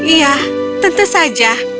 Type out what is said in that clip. iya tentu saja